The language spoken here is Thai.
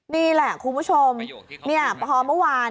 นี่แหละคุณผู้ชมพอเมื่อวาน